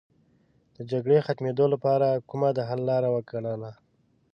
د جګړې ختمېدو لپاره کومه د حل لاره وګڼله.